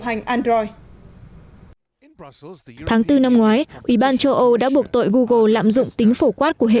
hành android tháng bốn năm ngoái ủy ban châu âu đã buộc tội google lạm dụng tính phổ quát của hệ